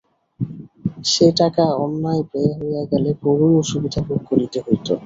সে টাকা অন্যায় ব্যয় হইয়া গেলে বড়োই অসুবিধা ভোগ করিতে হইত।